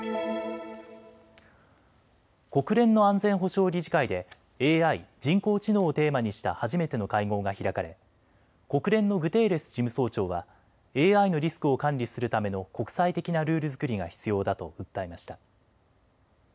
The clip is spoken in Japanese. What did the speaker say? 国連の安全保障理事会でＡＩ・人工知能をテーマにした初めての会合が開かれ国連のグテーレス事務総長はＡＩのリスクを管理するための国際的なルール作りが必要だと訴えました。